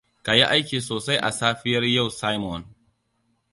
Ka yi aiki sosai a safiyar yau Simon.